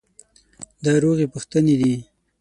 دا روغې پوښتنې دي.